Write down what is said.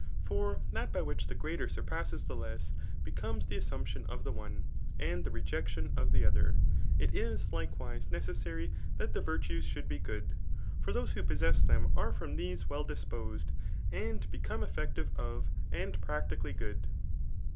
For that by which the greater surpasses the less, becomes the as sumption of the one, and the rejection of the other. It i% likewise, necessary tliat the virtues should be good. Vet diose who possess them are from these well disposed, and beccMUe effective of and practically good.